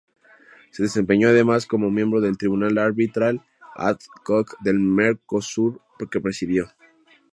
Se desempeñó además como miembro del Tribunal Arbitral ad hoc del Mercosur, que presidió.